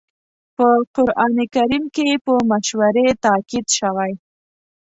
په قرآن کريم کې په مشورې تاکيد شوی.